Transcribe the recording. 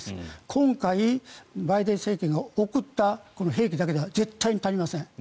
今回、バイデン政権が送った兵器だけでは絶対に足りません。